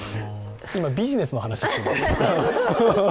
今、ビジネスの話ですね。